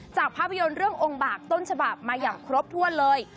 ภาพยนตร์เรื่ององค์บากต้นฉบับมาอย่างครบถ้วนเลย